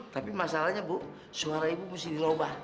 tapi masalahnya bu suara ibu mesti diubah